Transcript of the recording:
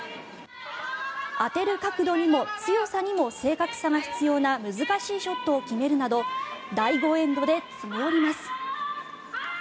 当てる角度にも強さにも正確さが必要な難しいショットを決めるなど第５エンドで詰め寄ります。